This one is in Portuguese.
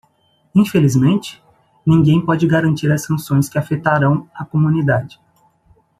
Infelizmente,? ninguém pode garantir as sanções que afetarão a comunidade.